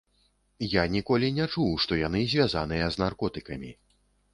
Я ніколі не чуў, што яны звязаныя з наркотыкамі.